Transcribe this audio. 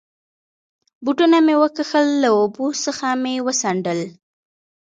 بوټونه مې و کښل، له اوبو څخه مې و څنډل.